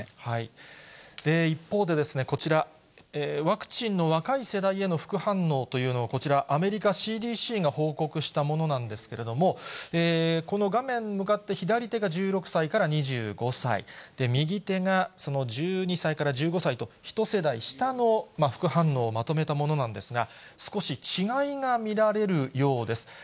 一方で、こちら、ワクチンの若い世代への副反応というのをこちら、アメリカＣＤＣが報告したものなんですけれども、この画面向かって左手が１６歳から２５歳、右手がその１２歳から１５歳と、下の副反応をまとめたものなんですが、少し違いが見られるようです。